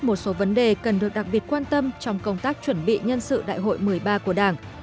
một số vấn đề cần được đặc biệt quan tâm trong công tác chuẩn bị nhân sự đại hội một mươi ba của đảng